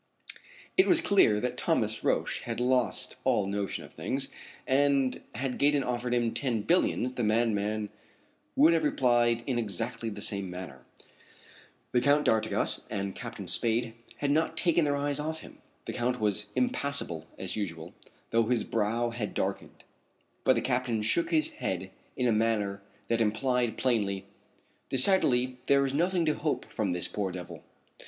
It was clear that Roch had lost all notion of things, and had Gaydon offered him ten billions the madman would have replied in exactly the same manner. The Count d'Artigas and Captain Spade had not taken their eyes off him. The Count was impassible as usual, though his brow had darkened, but the captain shook his head in a manner that implied plainly: "Decidedly there is nothing to hope from this poor devil!"